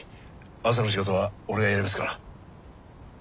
朝の仕事は俺がやりますから。